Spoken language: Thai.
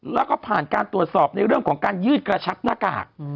แล้วก็ผ่านการตรวจสอบในเรื่องของการยืดกระชับหน้ากาก